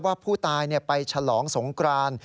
ว่าผู้ตายไปฉลองสงกราน